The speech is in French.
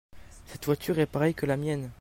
Cette voiture est pareille que la mienne.